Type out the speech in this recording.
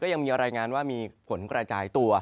ยังมีรายงานว่ามีฝนกระจายตัว